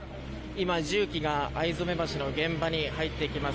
今、重機が逢初橋の現場に入ってきます。